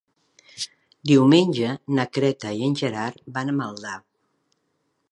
Diumenge na Greta i en Gerard van a Maldà.